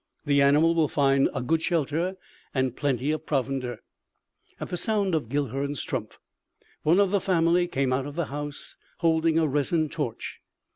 The animal will find a good shelter and plenty of provender." At the sound of Guilhern's trump, one of the family came out of the house holding a resin torch.